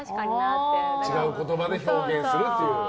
違う言葉で表現するという。